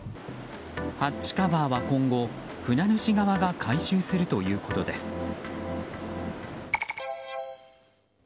ハッチカバーは今後船主側が回収するということです。